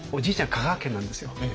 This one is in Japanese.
香川県なんですよ。